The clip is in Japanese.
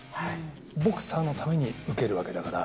ボクサーのために受けるわけだから。